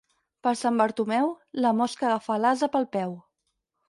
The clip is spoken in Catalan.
Per Sant Bartomeu, la mosca agafa l'ase pel peu.